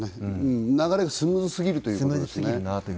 流れがスムーズすぎると。